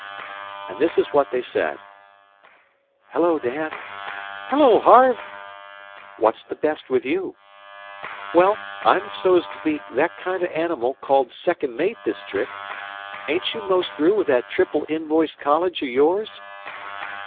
And this is what they said: "Hello, Dan!" "Hello, Harve!" "What's the best with you?" "Well, I'm so's to be that kind o' animal called second mate this trip. Ain't you most through with that triple invoiced college of yours?"